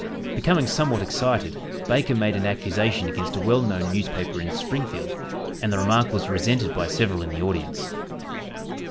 Becoming somewhat excited Baker made an accusation against a well known newspaper in Springfield, and the remark was resented by several in the audience.